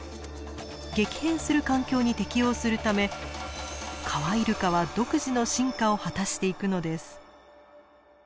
激変する環境に適応するためカワイルカは独自の進化を果たしていくのです。